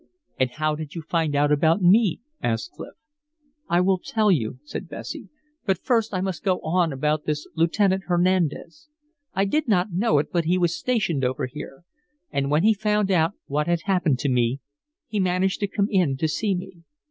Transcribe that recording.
"And how did you find out about me?" asked Clif. "I will tell you," said Bessie. "But first I must go on about this Lieutenant Hernandez. I did not know it, but he was stationed over here. And when he found out what had happened to me he managed to come in to see me."